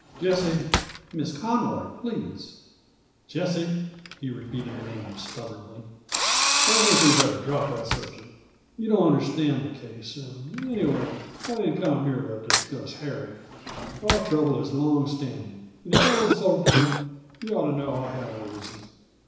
"Jessie " "Miss Conroy, please." "Jessie" he repeated the name stubbornly "I think we'd better drop that subject. You don't understand the case; and, anyway, I didn't come here to discuss Harry. Our trouble is long standing, and if I insulted him you ought to know I had a reason.